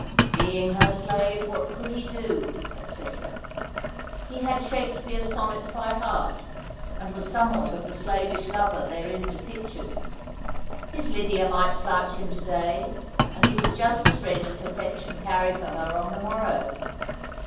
' Being her slave what could he do,' etc. He had Shakespeare's sonnets by heart, and was somewhat of the slavish lover therein depictured. His Lydia might flout him to day, and he was just as ready to fetch and carry for her on the morrow.